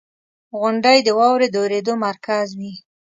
• غونډۍ د واورې د اورېدو مرکز وي.